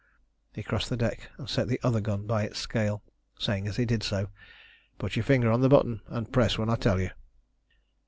He crossed the deck and set the other gun by its scale, saying as he did so "Put your finger on the button and press when I tell you."